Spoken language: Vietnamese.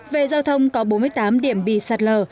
về giao thông có bốn mươi tám điểm bị sạt lở